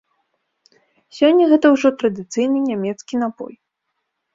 Сёння гэта ўжо традыцыйны нямецкі напой.